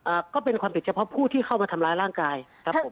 อ่าก็เป็นความผิดเฉพาะผู้ที่เข้ามาทำร้ายร่างกายครับผม